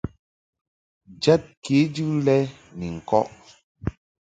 Jɛd kejɨ lɛ ni ŋkɔʼ .